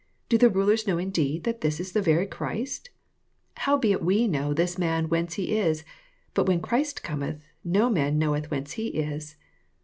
Do the mien know indeed that this is the very Christ ? 27 Howbeit we know this man whence he is: but when Christ cometh, no man knoweth whence ho is.